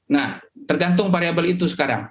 nah tergantung variable itu sekarang